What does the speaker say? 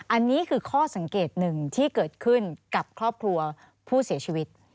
อันนี้คือข้อสังเกตหนึ่งที่เกิดขึ้นกับครอบครัวผู้เสียชีวิต